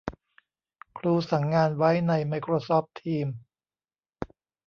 ครูสั่งงานไว้ในไมโครซอฟต์ ทีม